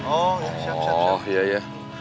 oh ya siap